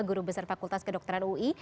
guru besar fakultas kedokteran ui